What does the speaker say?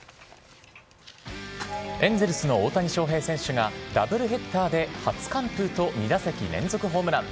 エンゼルスの大谷翔平選手がダブルヘッダーで初完封と２打席連続ホームラン。